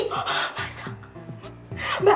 cepetan sekarang ya